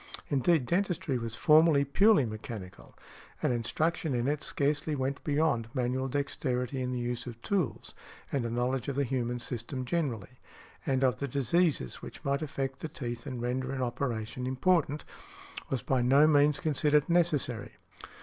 Indeed, dentistry was formerly purely mechanical, and instruction in it scarcely went beyond manual dexterity in the use of tools; and a knowledge of the human system generally, and of the diseases which might affect the teeth and render an operation important, was by no means considered necessary.